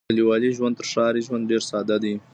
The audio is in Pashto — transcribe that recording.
د کليوالو ژوند تر ښاري ژوند ډېر ساده دی.